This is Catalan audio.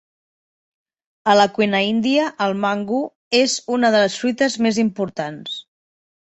A la cuina índia el mango és una de les fruites més importants.